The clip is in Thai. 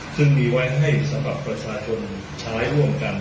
ซึ่งมีไว้ให้สำหรับประชาชนใช้ร่วมกัน